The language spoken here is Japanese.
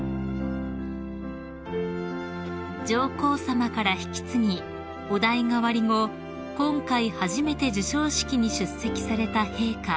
［上皇さまから引き継ぎお代替わり後今回初めて授賞式に出席された陛下］